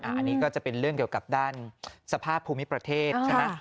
อันนี้ก็จะเป็นเรื่องเกี่ยวกับด้านสภาพภูมิประเทศใช่ไหม